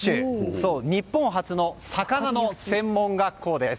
そう、日本初の魚の専門学校です。